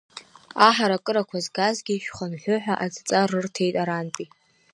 Аҳаракырақәа згазгьы, шәхынҳәы ҳәа адҵа рырҭеит арантәи.